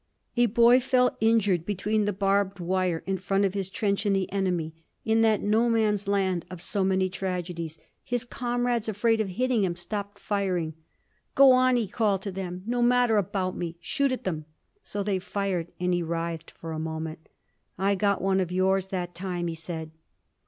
A boy fell injured between the barbed wire in front of his trench and the enemy, in that No Man's Land of so many tragedies. His comrades, afraid of hitting him, stopped firing. "Go on!" he called to them. "No matter about me. Shoot at them!" So they fired, and he writhed for a moment. "I got one of yours that time!" he said.